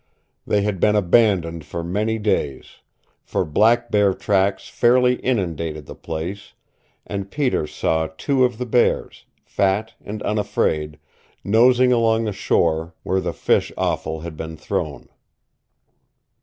They had been abandoned for many days, for black bear tracks fairly inundated the place, and Peter saw two of the bears fat and unafraid nosing along the shore where the fish offal had been thrown.